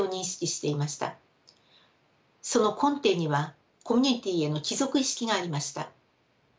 その根底にはコミュニティーへの帰属意識がありました。